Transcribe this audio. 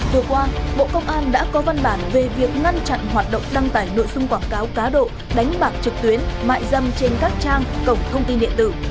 vừa qua bộ công an đã có văn bản về việc ngăn chặn hoạt động đăng tải nội dung quảng cáo cá độ đánh bạc trực tuyến mại dâm trên các trang cổng thông tin điện tử